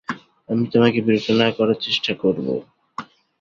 আমি তোমাকে বিরক্ত না করার চেষ্টা করব।